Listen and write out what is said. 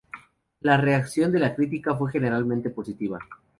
La reacción de la crítica fue generalmente positiva.